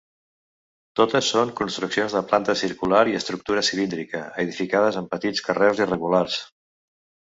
Totes són construccions de planta circular i estructura cilíndrica, edificades amb petits carreus irregulars.